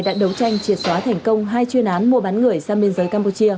đã đấu tranh triệt xóa thành công hai chuyên án mua bán người sang biên giới campuchia